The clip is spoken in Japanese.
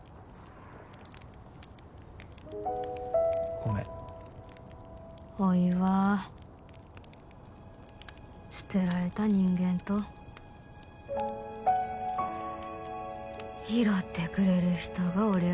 ごめんおいは捨てられた人間と拾ってくれる人がおりゃ